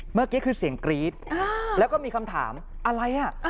เมื่อกี้คือเสียงกรี๊ดแล้วก็มีคำถามอะไรอ่ะ